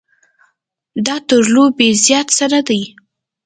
دا تر لوبې زیات څه نه دی.